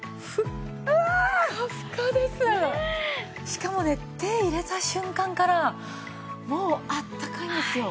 しかもね手入れた瞬間からもうあったかいんですよ。